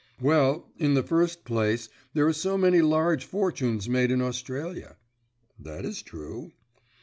"Well, in the first place there are so many large fortunes made in Australia." "That is true."